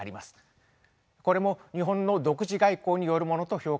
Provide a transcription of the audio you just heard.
これも日本の独自外交によるものと評価されています。